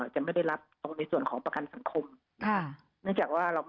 จะไม่ได้รับในส่วนประกันสังคม